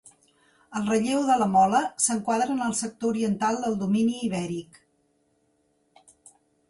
El relleu de la mola s'enquadra en el sector oriental del domini ibèric.